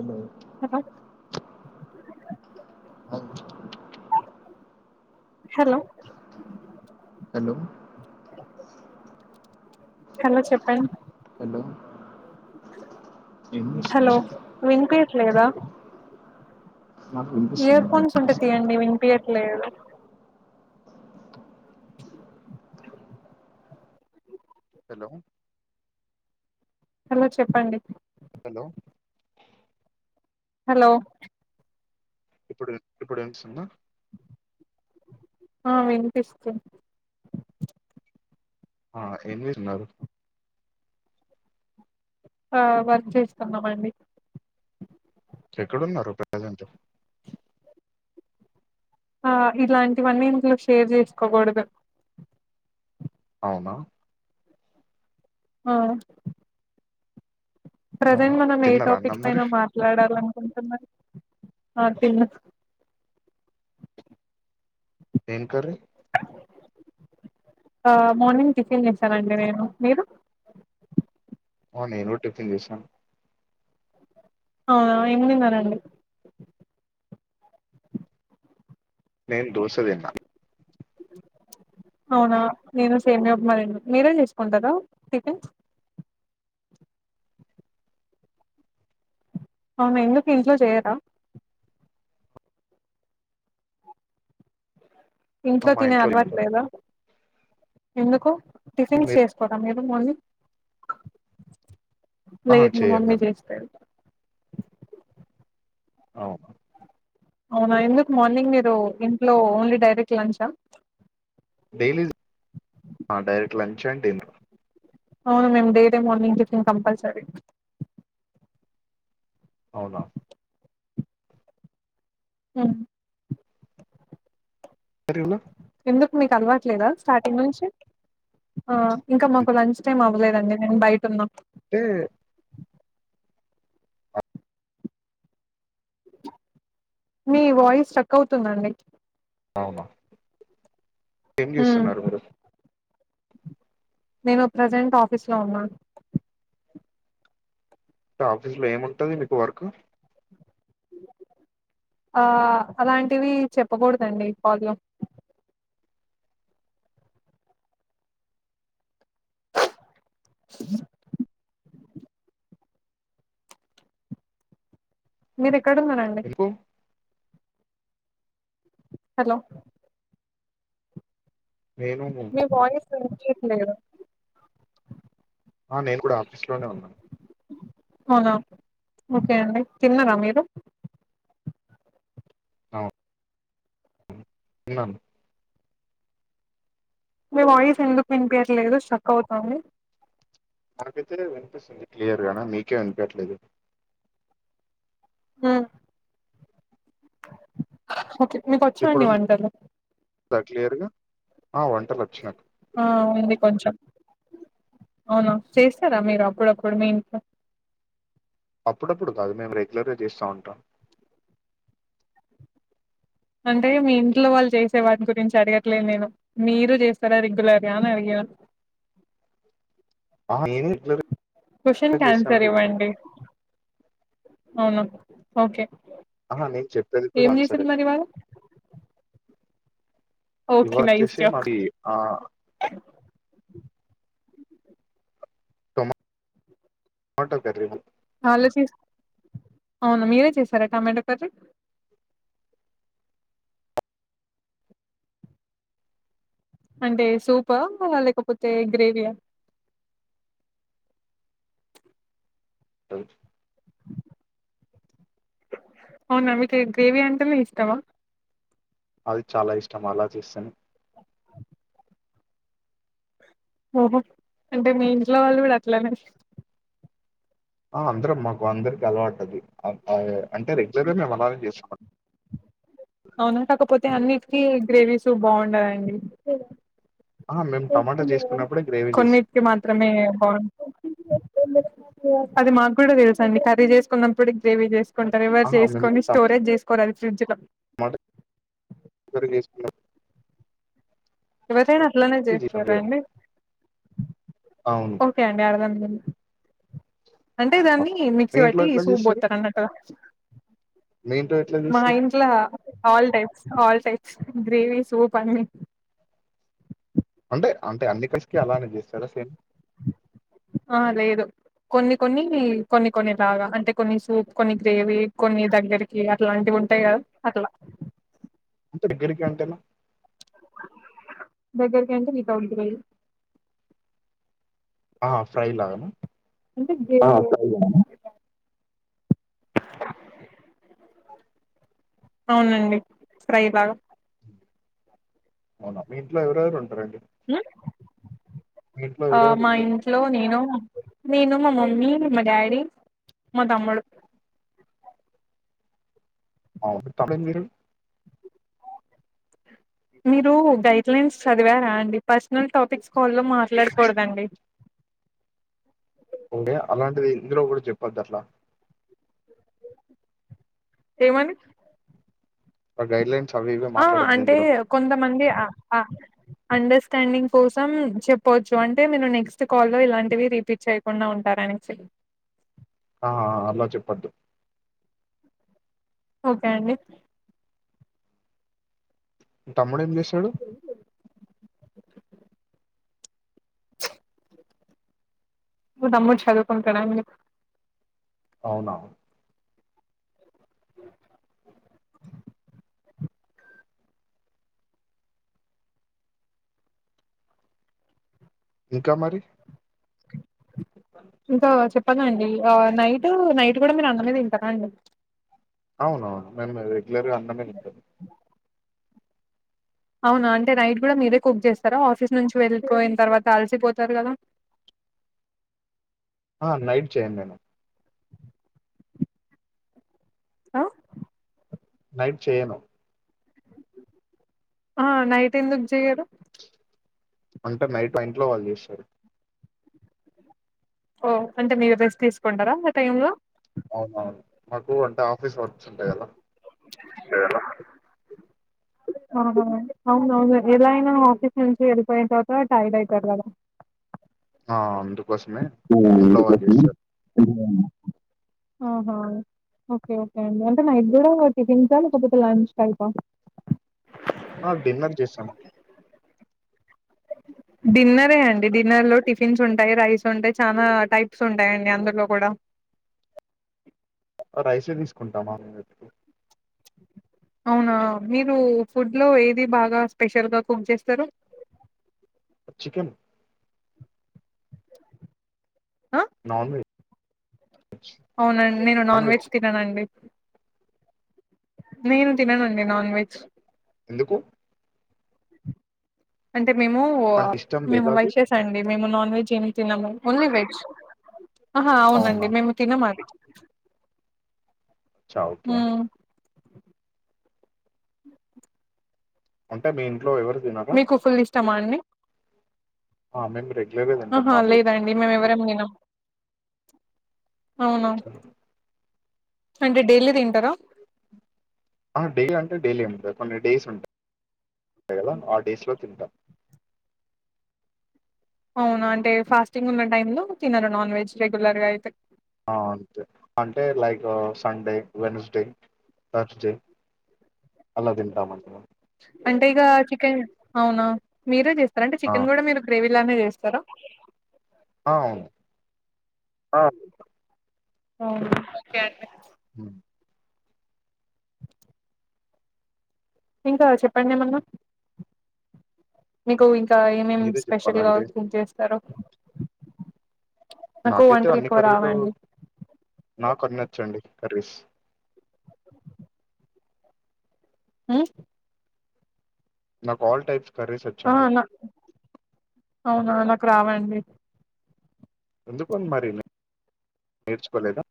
ఏమో [inaudible] హలో అ hello hello hello చెప్పండి హలో ఏం హలో చేస్తున్నావ్ వినిపియ లేదా నాకు వినిపిస్తుంది ఇయర్ మీకు ఫోన్స్ ఉంటే వినిపిస్తుందా తీయండి వినిపియట్లేదు హలో హలో చెప్పండి హలో హలో ఇప్పుడు ఇప్పుడు వినిపిస్తుందా ఆ వినిపిస్తు ఆ ఏం జేస్తున్నారు ఆ వర్క్ చేస్తున్నామండి ఎక్కడున్నారు ప్రజెంట్ ఆ ఇలాంటివన్నీ ఇంట్లో షేర్ చేసుకోకూడదు అవునా ఆ ప్రజెంట్ అవునా మనం ఏ తిన్నారా టాపిక్ అన్నం పైన మరి మాట్లాడాల అనుకుంటున్నారు ఆ తిన్న ఏం కర్రి ఆ మార్నింగ్ టిఫిన్ చేసానండి నేను మీరు అవును నేన్ కూడా టిఫిన్ చేశాను ఆ ఏమిందిన్నారండి నేన్ దోశ తిన్నా అవునా నేను సేమ్యా ఉప్మా తిన్న మీరేం చేసుకుంటారు టిఫిన్ అవున ఎందుకు ఇంట్లో చేయరా ఆ, ఇంట్లో మా తినే తిన్నారు. అలవట్లేద ఎందుకు టిఫిన్స్ మీరు చేసుకోర మీరు మార్నింగ్ ఆ లేదు మా చేయం మమ్మీ మేము చేస్తాది [inaudible] అవును అవునా, ఎందుకు మార్నింగ్ మీరు ఇంట్లో ఓన్లీ డైరెక్ట్ లంచా డైలీ ఆ డైరెక్ట్ లంచ్ అండ్ డిన్నర్ అవును మేమ్ డైలీ మార్నింగ్ టిఫిన్ కంపల్సరీ అవునా హ్మ్ సరే ఇవ్వు ఎందుకు మీకు అలవట్లేదా స్టార్టింగ్ నుంచి ఆ ఇంకా మాకు లంచ్ టైమ్ అవ్వలేదండి నేన్ బయట ఉన్నా టే మీ వాయిస్ స్ట్రక్ అవుతుందండి అవునా ఏం హ్మ్ జేస్తున్నారు మీరు నేను ప్రజెంట్ ఆఫీస్ లో ఉన్నా ఆఫీసులో ఏముంటది మీకు వర్క్ ఆ అలాంటివి చెప్పకూడదండి కాల్లో అ [unintelligible] మీరె ఎక్కడ ఉన్నరండి ఎందుకు హలో నేను మీ వాయిస్ వినిపియట్లేదు ఆ నేను కూడా ఆఫీస్ లోనే ఉన్నా అవునా ఓకే అండి తిన్నారా మీరు తిన్నాను మీ వాయిస్ ఎందుకు వినిపయర్లేదు స్ట్రక్ అవుతుంది [unintelligible] క్లియర్గా మీకే వినుపియట్లేదు హ్మ్ ఒకే మీకు వచ్చా ఇప్పుడు అండి ఉందా వంటలు క్లియర్ గా ఆ వంటలు వచ్చినాక ఆ ఉంది కొంచెం అవును చేస్తారా మీరు అప్పుడొప్పుడు మీ ఇంట్లో అప్పుడప్పుడు కాదు మేము రెగ్యులర్ గా చేస్తా ఉంటాం అంటే మీ ఇంట్లో వాళ్ళు చేసే వాటి గురించి అడగట్లేదు నేను మీరు చేస్తారా రెగ్యులర్గా అని అడిగాను అ నేనే రెగ్యులర్ గా క్వెషన్‌కి చేస్తానని చెపుతున్న అవున ఓకే అహ నేన్ ఏం చేశారు మరి ఇవాళ ఓకే. ఇవాలా నైస్ వచ్చేసి జాబ్. మది ఆ టమా మాటో కర్రి మా వాళ్లే చేస్ అవునా మీరే చేసారా టమాటో కర్రీ అంటే సూప లేకపోతే గ్రేవియా తరు అవునా మీకు గ్రేవి అంటేనే ఇష్టమా అది చాలా ఇష్టం అలా చేస్తేనే ఓహో అంటే మీ ఇంట్లో వాళ్ళు కూడా అట్లనే అ అందరం మాకు అందరికి అలవాటది ఆ అది అంటే రెగ్యులర్గా మేము అలాగే చేసుకుం అవునా కాకపోతే అన్నిటికి గ్రేవీస్ బాగుండదండి ఆ మేము టమాటా చేసుకున్నప్పుడే గ్రేవీ చేస్తాం కొన్నిటికి మాత్రమే బాగుంట అది మాకు కూడా తెలుసండి కర్రీ చేసుకున్నప్పుడు గ్రేవీ చేసు కుంటారు ఎవరు చేసుకని స్టోరేజ్ చేస్ కొరారి చంచలం మాట కర్రి చేసుకున్నా ఎవరైయినా అట్ల అట్లనే చేస్తాం జెత్తరాండి అవును ఓకే అండి అర్థమైంది అంటే దాన్ని మిక్సీ మీ ఇంట్లో వట్టి ఎట్లా సూప్ చేస్తారు పోత్తరు అన్నటుగా మీ ఇంట్లో ఎట్లా చేస్తారు ఇంట్లో all types all types gravy soup అన్నీ అంటే అంటే అన్ని కర్రీస్ కి అలానే చేస్తారా సేమ్ ఆ లేదు కొన్ని కొన్ని కొన్ని కొన్నిలాగా అంటే కొన్ని సూప్ కొన్ని గ్రేవీ కొన్ని దగ్గరికి అట్లాంటివి ఉంటాయి కదా అట్లా దగ్గరికి అంటె నా దగ్గరికి అంటె నితంతురై ఆ ఫ్రై లా గానా ఆ ఫ్రై లాగా అవునండి ఫ్రై లాగా అవునా మీ ఇంట్లో ఎవరెవరు ఉం సరే అండి ఆ మా ఇంట్లో నేను నేను మా మమ్మీ మా డాడీ మా తమ్ముడు అ మీ తమ్మిడి మీరు మీరు గైడ్ లైన్స్ చదివారా అండి పర్సనల్ టాపిక్స్ కాల్ లో మాట్లా మాట్లాడకూడదండి ఉంగే అలాంటిది ఇందులో కూడా చెప్పొద్దట్లా ఏ మని ఒక గైడ్లైన్ ఆ అంటే కొంతమంది ఆ ఆ అండస్ అండర్స్టాండింగ్ కోసం చెప్పచ్చు అంటే మీరు నెక్స్ట్ కాల్లో ఇలాంటివి రీపీట్ చేయకుండా ఉంటారానేసి ఆ అలా చెప్పద్దు ఓకే అండి మీ తమ్ముడు ఏం చేస్తున్నారు చెడు మా తమ్ముడు చదువుకుంటున్నాడండి అవునావును ఇంకా మరి ఇంకా చెప్పదండి నైట్ నైట్ కూడా మీరూ అన్నమే తింటారా అండి అవునవును మేము రెగ్యులర్గా అన్నమే ఉంటాము అవునా అంటే నైట్ కూడా మీరే కుక్ చేస్తారా ఆఫీస్ నుంచి వెళ్ళిపోయిన తర్వాత అలసిపోతారు కదా ఆ నైట్ చేయంనుడి నేను ఆ నైట్ చేయను ఆ నైట్ ఎందుకు జెయరు అంటే నైట్ ఇంటి లో వాళ్ళు చేశారు ఓ అంటే మీరు రెస్ట్ తీసుకుంటారా టైం లో అవునవును మాకు అంటే ఆఫీస్ వర్స్ ఉంటాయి కదా సరే అవునువును ఎలా అయినా ఆఫీస్ నుంచి వెళ్ళి పోయిన తర్వాత టైర్డ్ అవుతారు కదా ఆ అండి హా ఓకే ఓకే అండి అంటే నైట్ కూడా టిఫిన్సా లేకపోతే లంచ్ టైఫా ఆ డిన్నర్ చేస్తాం డిన్నరే అండి డిన్నర్లో టిఫిన్స్ ఉంటాయి రైస్ ఉంటాయి చాలా టైప్స్ ఉంటాయండి అందులో కూడా రైస తీసుకుంటామా అవునా మీరు ఫుడ్ లో ఏది బాగా స్పెషల్ గా ఫం చేస్తారు చికెన్ ఆ? నన్వజ్ అవునండి నేను నాన్ వెజ్ తిననండి నేను తిననండి నాన్ వెజ్ ఎందుకు అే మేము అంటే ఇష్టం మేము లేదా అది వైసేస అండి మేము నాన్ వెజ్ ఏమి తిన్నాము ఓన్లీ వెజ్ హా అవునా అవునండి మేము తినమాది అచ్చా ఓకే మ్మ్ ఉంటా మెయిన్ లో ఎవరు తినారా సమాన్న్ని ఆ మేము రెగ్యులర్గా తింటాం ఆహా నాన్ వెజ్ లేదండి మేము ఎవరేం వినాం అవునా అంటే డైలీ తింటారా? ఆ డైలీ అంటే డైలీ అనికాద్ కొన్ని డేస్ ఉం టయి కదా ఆ డేస్ లో తింటం అవునా అంటే ఫాస్టింగ్ ఉన్న టైం లో తినరు నాన్ వెజ్ రెగ్యులర్ గా అయితే. ఆ అంతే అంటే లైక్ సండే, వెన్స్డే, థర్స్డే అలా తింటాం అనమా అంటే ఇగ చికెన్ అవునా మీరే చేస్ స్తర ఆ చికెన్ గూడ మీరు గ్రేవి ఇలానే చేస్తరా ఆ అవును ఆ! అవునా ఓకే అండి హ్మ్ ఇంకా చెప్పండి ఏమన్నా మీకు ఇం ఇంక ఏమేం మీరే స్పెషల్ గా చెప్పాలండి కుక్ చేస్తరు నాకు నాకైతే వంటలు అన్ని ఎక్కువ కర్రీలు రావండి నాకు అన్ని వచ్చండి కర్రీస్ మ్మ్ నాకు ఆల్ టైప్ కర్రీసి ఆ వచ్చండి నా అవునా నాకు రావండి. ఎందుకు మరి నేర్చుకోలేదా?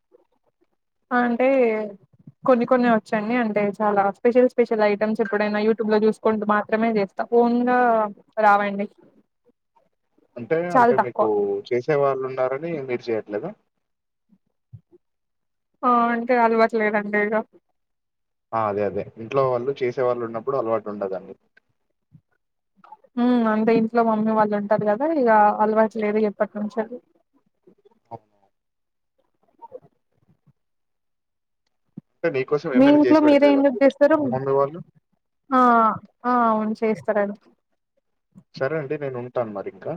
అంటే కొన్ని కొన్ని వచ్చండి. అంటే చాలా స్పెషల్ స్పెషల్ ఐటమ్స్ ఎప్పుడైనా యూట్యూబ్లో చూసుకుంటూ మాత్రమే చేస్త. ఓన్ గా రావండి. అంటే చాలా అంటే తక్కువ మీకు చేసే వాళ్ళు ఉన్నారని మీరు చెయట్లేద? ఆ అంటే అలవట్లేదండి ఇగ ఆ అదే అదే ఇంట్లో వాళ్ళు చేసే వాళ్ళు ఉన్నప్పుడు అలవాటు ఉండదండి. మ్మ్ అంతే ఇంట్ల మమ్మీ వాళ్ళు ఉంటరు గదా, ఇగ అలవాటు లేదు ఎప్పటి నుంచెలి అవునా అంటే నీకోసం మీ ఏమైనా ఇంట్లో చేసి పెడతది మీరేం ఎందుకు కదా! చేస్తరూ? మీ మమ్మీ వాళ్ళు. అ ఆ అవును చేస్తరను సరే అండి నేను ఉంటాను మరి ఇంకా.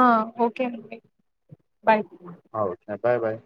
ఆ ఓకేనండి. బాయ్ ఆ! ఓకే. Bye bye